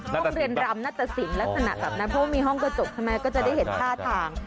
ห้องเรียนรำนัตตสินลักษณะแบบนั้นเพราะว่ามีห้องกระจกใช่ไหมก็จะได้เห็นท่าทาง